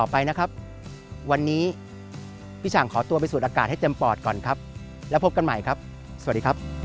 โปรดติดตามตอนต่อไป